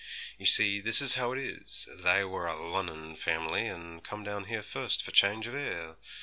You see, this is how it is! They were a Lunnon family, and come down here first for change of air.